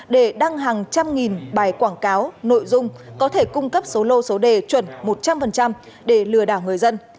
để đăng hàng trăm nghìn bài quảng cáo nội dung có thể cung cấp số lô số đề chuẩn một trăm linh để lừa đảo người dân